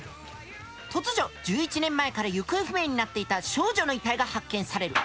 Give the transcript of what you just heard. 突如１１年前から行方不明になっていた少女の遺体が発見される。